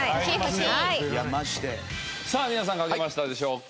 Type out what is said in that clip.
さあ皆さん書けましたでしょうか？